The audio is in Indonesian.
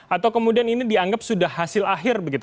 atau kemudian ini dianggap sudah hasil akhir begitu